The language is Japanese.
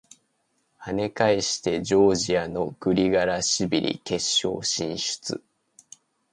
跳ね返してジョージアのグリガラシビリ決勝進出！